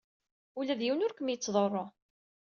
Ula d yiwen ur kem-yettḍurru.